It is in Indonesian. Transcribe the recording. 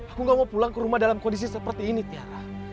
aku gak mau pulang ke rumah dalam kondisi seperti ini tiara